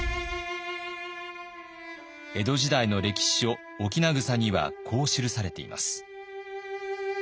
江戸時代の歴史書「翁草」にはこう記されています。